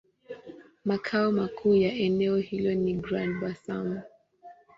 Makao makuu ya eneo hilo ni Grand-Bassam.